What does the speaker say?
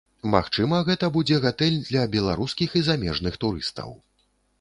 Магчыма гэта будзе гатэль для беларускіх і замежных турыстаў.